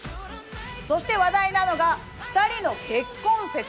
そして話題なのが２人の結婚説。